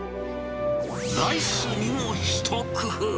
ライスにも一工夫。